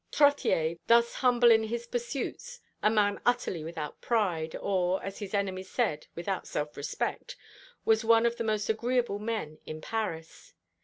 Trottier, thus humble in his pursuits, a man utterly without pride, or, as his enemies said, without self respect, was one of the most agreeable men in Paris.